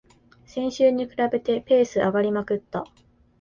先週に比べてペース上がりまくった